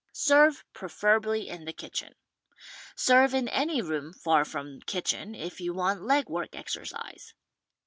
Serve preferably in the kitchen. Serve in any room far from the kitchen if you want leg work exercise.